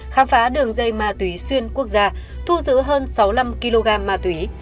khám phá đường dây ma túy xuyên quốc gia thu giữ hơn sáu mươi năm kg ma túy